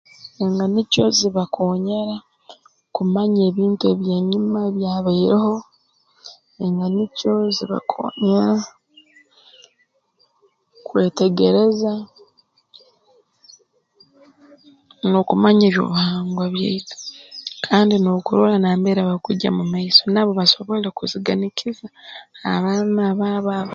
Enganikyo zibakoonyera kumanya ebintu eby'enyima ebyabaireho enganikyo zibakoonyera kwetegereza n'okumanya eby'obuhangwa byaitu kandi n'okurora nambere barukugya mu maiso nabo basobole kuziganikiza abaana abaabo